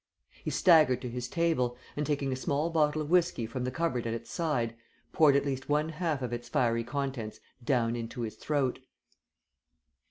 He staggered to his table, and taking a small bottle of whiskey from the cupboard at its side, poured at least one half of its fiery contents down into his throat.